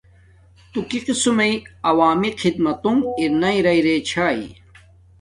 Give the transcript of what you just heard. تو شوہ کی قسم میے عوامی خدمتونݣ ارناݵ راݵ رے چھاݵ۔